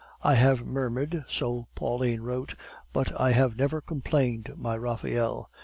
"I have murmured," so Pauline wrote, "but I have never complained, my Raphael!